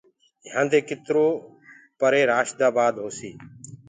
يهآندي ڪترو پري رآشدآبآد هوسي